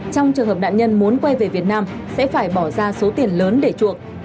trong trường hợp nạn nhân muốn quay về việt nam sẽ phải bỏ ra số tiền lớn để chuộc